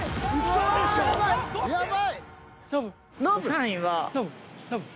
３位は。